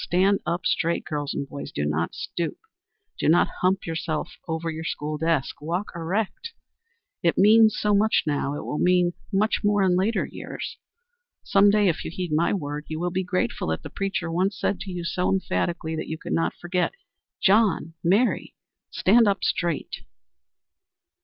Stand up straight, girls and boys. Do not stoop. Do not hump yourself over your school desk. Walk erect. It means so much now, it will mean much more in later years. Some day, if you heed my word, you will be grateful that the preacher once said to you so emphatically that you could not forget, "John, Mary, stand up straight."